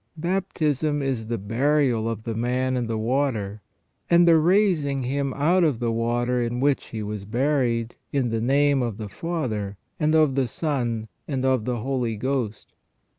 Baptism is the burial of the man in the water and the raising him out of the water in which he was buried, in the name of the Father, and of the Son, and of the Holy Ghost.